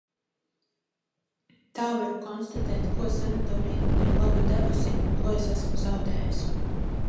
Tā varu konstatēt ko sanatorija man ir labu devusi un ko es esmu zaudējis.